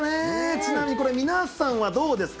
ちなみに、これ、皆さんはどうですか？